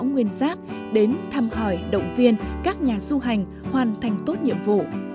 nguyên giáp đến thăm hỏi động viên các nhà du hành hoàn thành tốt nhiệm vụ